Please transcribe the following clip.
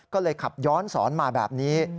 ก็เลยขับย้อนสอนมาแบบนี้